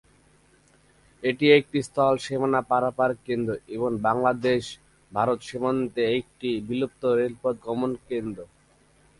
এটি একটি স্থল সীমানা পারাপার কেন্দ্র এবং বাংলাদেশ-ভারত সীমান্তে একটি বিলুপ্ত রেলপথ গমন কেন্দ্র।